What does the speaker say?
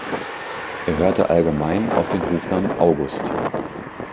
Er hörte allgemein auf den Rufnamen August.